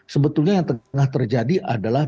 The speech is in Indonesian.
sebetulnya yang tengah terjadi adalah